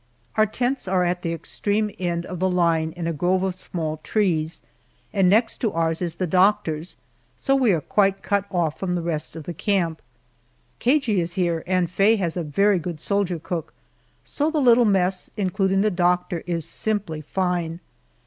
Our tents are at the extreme end of the line in a grove of small trees, and next to ours is the doctor's, so we are quite cut off from the rest of the camp. Cagey is here, and Faye has a very good soldier cook, so the little mess, including the doctor, is simply fine.